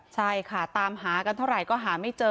ใช่ค่ะตามหากันเท่าไหร่ก็หาไม่เจอ